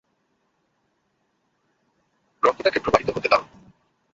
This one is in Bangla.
রক্তটাকে প্রবাহিত হতে দাও।